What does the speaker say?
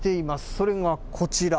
それがこちら。